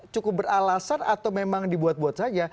cukup beralasan atau memang dibuat buat saja